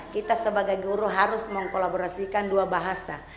kita sebagai guru harus mengkolaborasikan dua bahasa